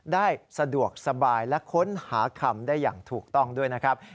ได้สะดวกสบายและค้นหาคำได้อย่างถูกต้องด้วยนะครับ